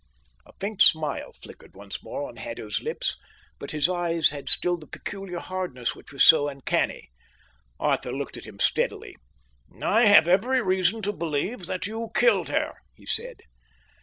A faint smile flickered once more on Haddo's lips, but his eyes had still the peculiar hardness which was so uncanny. Arthur looked at him steadily. "I have every reason to believe that you killed her," he said.